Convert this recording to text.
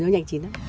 nó nhanh chín lắm